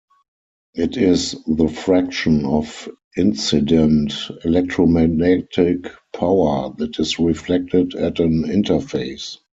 It is the fraction of incident electromagnetic power that is reflected at an interface.